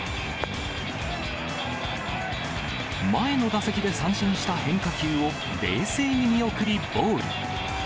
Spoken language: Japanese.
前の打席で三振した変化球を冷静に見送り、ボール。